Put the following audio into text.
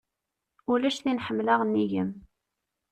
Ulac tin ḥemleɣ nnig-m.